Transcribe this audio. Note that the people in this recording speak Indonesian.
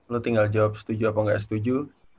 lu tinggal jawab setuju apa enggak setuju